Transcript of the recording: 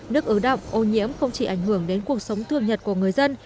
nước ứ động ô nhiễm không chỉ ảnh hưởng đến cuộc sống thường nhật của người dân